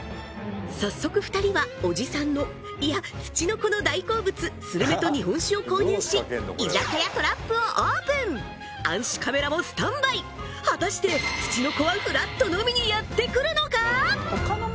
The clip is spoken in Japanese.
早速２人はおじさんのいやツチノコの大好物スルメと日本酒を購入し居酒屋トラップをオープン暗視カメラもスタンバイ果たしてツチノコはふらっと飲みにやって来るのか！？